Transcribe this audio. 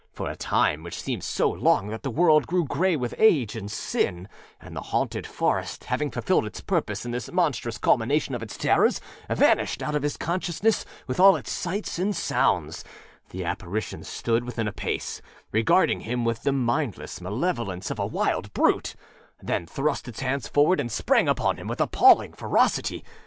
For a time, which seemed so long that the world grew gray with age and sin, and the haunted forest, having fulfilled its purpose in this monstrous culmination of its terrors, vanished out of his consciousness with all its sights and sounds, the apparition stood within a pace, regarding him with the mindless malevolence of a wild brute; then thrust its hands forward and sprang upon him with appalling ferocity!